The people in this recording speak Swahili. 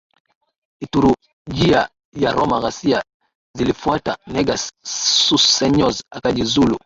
Liturujia ya Roma Ghasia zilifuata Negus Susneyos akajiuzulu